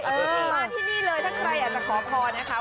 มาที่นี่เลยถ้าใครอยากจะขอพรนะคะ